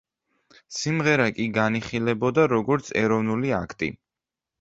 სიმღერა კი განიხილებოდა, როგორც ეროვნული აქტი.